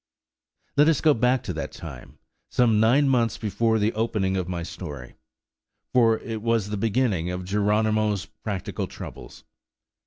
Let us go back to that time, some nine months before the opening of my story, for it was the beginning of Geronimo's practical troubles.